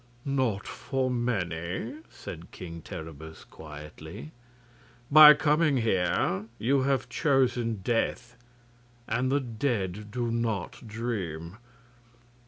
"Not for many," said King Terribus, quietly. "By coming here you have chosen death, and the dead do not dream."